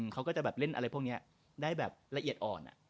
เขาก็จะแบบเล่นอะไรพวกนี้ได้แบบละเอียดอ่อน